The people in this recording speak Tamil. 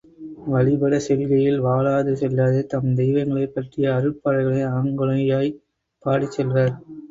வழிபடச் செல்கையில் வாளாசெல்லாது தம் தெய்வங்களைப் பற்றிய அருட்பாடல்களே அகங் குழைய்ப் பாடிச் செல்வர்.